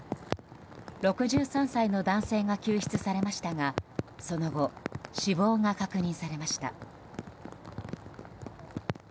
６３歳の男性が救出されましたがその後、死亡が確認されました。